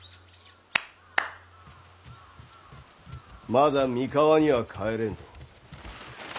まだ三河には帰れんぞ。